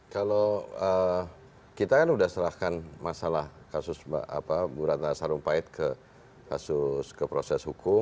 kalau kita kan sudah serahkan masalah kasus bu rata sarumpait ke proses hukum